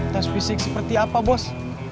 tes fisik seperti apa bos